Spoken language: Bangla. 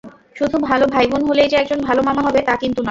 শুধু ভালো ভাইবোন হলেই যে একজন ভালো মামা হবে তা কিন্তু নয়।